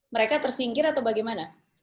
mereka tersingkir atau bagaimana